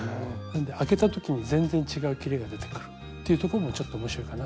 開けた時に全然違うきれが出てくるっていうところもちょっと面白いかな。